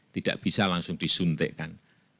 tidak bisa langsung disuntikkan